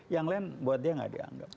yang lain buat dia nggak dianggap